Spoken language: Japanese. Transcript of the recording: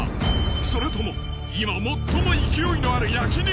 それともいま最も勢いのある焼肉